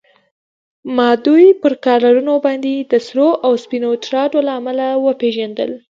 ما دوی پر کالرونو باندې د سرو او سپینو ټراډو له امله و پېژندل.